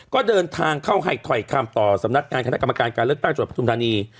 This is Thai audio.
ก็เดินทางเข้าให้ไทยข้ามต่อสำนักการคณะกรรมการการเล่นตั้งสมภันธณี